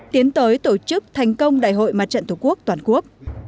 tiến tới tổ chức thành công đại hội mặt trận tổ quốc toàn quốc